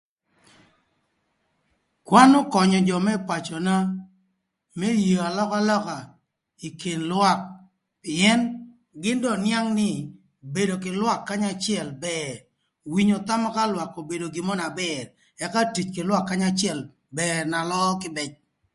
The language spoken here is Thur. Kwan ökönyö jö më pacöna më yeo alökalöka ï kin lwak pïën gïn dong nïang nï bedo kï lwak kanya acël bër winyo thama ka lwak obedo gin mörö acël na bër ëka tic kï lwak kanya acël bër na löö kibec.